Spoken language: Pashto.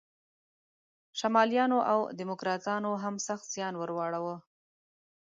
شمالیانو او دیموکراتانو هم سخت زیان ور واړاوه.